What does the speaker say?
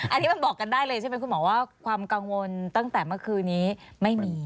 อันนี้มันบอกกันได้เลยใช่ไหมคุณหมอว่าความกังวลตั้งแต่เมื่อคืนนี้ไม่มี